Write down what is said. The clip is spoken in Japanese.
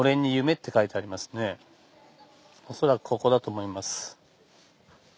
おそらくここだと思います。